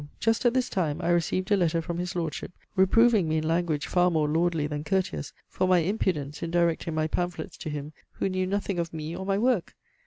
just at this time I received a letter from his Lordship, reproving me in language far more lordly than courteous for my impudence in directing my pamphlets to him, who knew nothing of me or my work!